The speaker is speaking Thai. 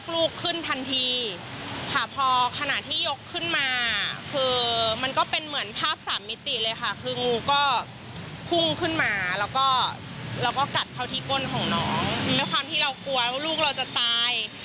แล้วความที่เรากลัวว่าลูกเราจะตาย